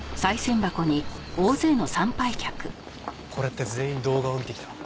これって全員動画を見て来た。